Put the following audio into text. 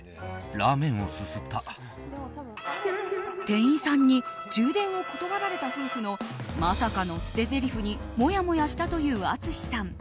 店員さんに充電を断られた夫婦のまさかの捨てぜりふにもやもやしたという淳さん。